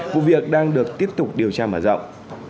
vụ việc đang được tiếp tục điều tra mở rộng